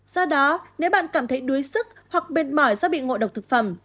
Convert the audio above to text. do đó nếu bạn cảm thấy đuối sức hoặc mệt mỏi do bị ngộ độc thực phẩm